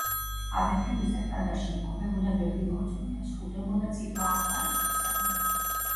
აფეთქებისას ტაძარში იმყოფებოდა ბევრი მორწმუნე, სრულდებოდა წირვა ახალი წლისადმი.